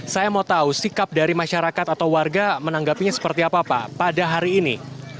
saya mau tahu sikap dari masyarakat atau warga menanggapinya seperti apa pak pada hari ini